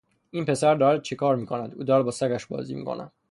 این پسر دارد چکار می کند؟ او دارد با سگش بازی می کند.